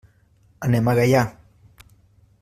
Anem a Gaià.